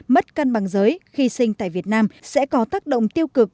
mất cân bằng giới khi sinh tại việt nam sẽ có tác động tiêu cực